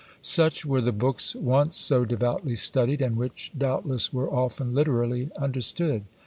Such were the books once so devoutly studied, and which doubtless were often literally understood.